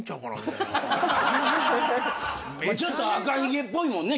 ちょっと赤ひげっぽいもんね